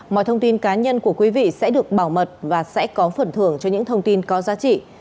mọi thông tin cá nhân của quý vị sẽ được bảo mật và sẽ có phần thưởng cho những thông tin có giá trị